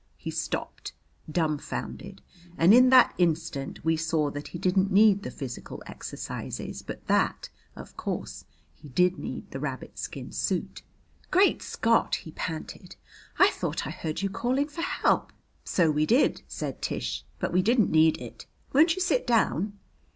He stopped, dumbfounded, and in that instant we saw that he didn't need the physical exercises, but that, of course, he did need the rabbit skin suit. "Great Scott!" he panted. "I thought I heard you calling for help." "So we did," said Tish, "but we didn't need it. Won't you sit down?"